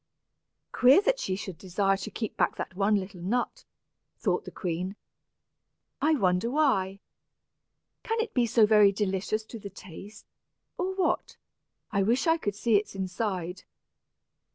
"Queer, that she should desire to keep back that one little nut," thought the queen. "I wonder why? Can it be so very delicious to the taste, or what? I wish I could see its inside."